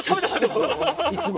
いつもの。